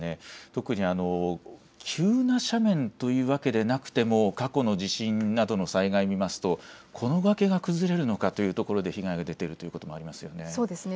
特に急な斜面というわけではなくても過去の地震などの災害を見ますとこの崖が崩れるのかというところで被害が出ていることもありますよね。